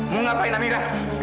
mau ngapain amira